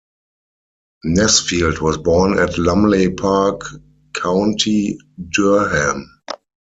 Nesfield was born at Lumley Park, County Durham.